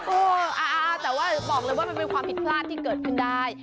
เออแต่ว่าบอกเลยว่ามันเป็นความผิดพลาดที่เกิดขึ้นได้